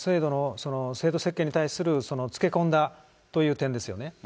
制度設計に対するつけ込んだという点ですよね。